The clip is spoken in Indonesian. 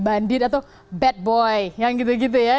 bandit atau bad boy yang gitu gitu ya